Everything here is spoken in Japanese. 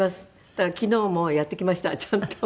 だから昨日もやってきましたちゃんと。